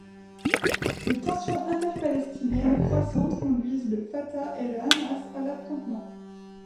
Les tensions interpalestiniennes croissantes conduisent le Fatah et le Hamas à l'affrontement.